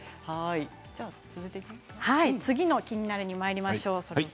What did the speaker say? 続いて次の「キニナル」にいきましょう。